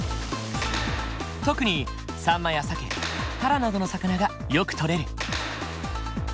特にサンマやサケタラなどの魚がよくとれる。